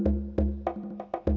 eh anak pada